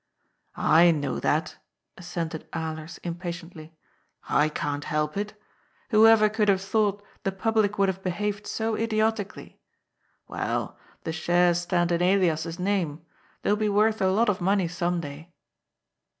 ^' I know that," assented Alers impatiently. ^^ I can't help it Whoever could have thought the public would have behaved so idiotically? Well, the shares stand in Elias's name. They will be worth a lot of money some day."